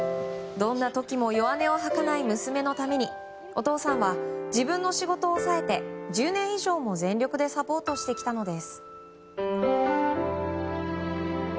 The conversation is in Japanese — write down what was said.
どんな時も弱音を吐かない娘のためにお父さんは自分の仕事を抑えて１０年以上も全力でサポートしてきたのです。